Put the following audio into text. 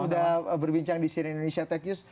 sudah berbincang di sianindonesia tech news